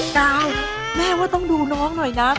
กาวแม่ว่าต้องดูน้องหน่อยนะ